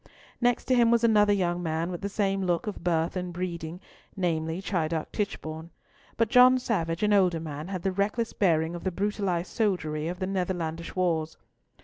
Next to him was another young man with the same look of birth and breeding, namely Chidiock Tichborne; but John Savage, an older man, had the reckless bearing of the brutalised soldiery of the Netherlandish wars.